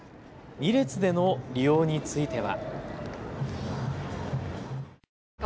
２列での利用については。